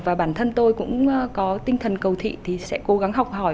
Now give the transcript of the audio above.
và bản thân tôi cũng có tinh thần cầu thị thì sẽ cố gắng học hỏi